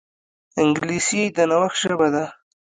انګلیسي د نوښت ژبه ده